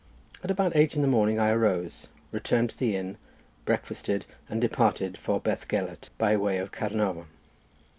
At about eight in the morning I arose, returned to the inn, breakfasted, and departed for Bethgelert by way of Caernarvon.